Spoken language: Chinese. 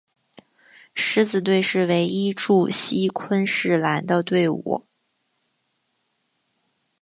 狮子队是唯一驻锡昆士兰的队伍。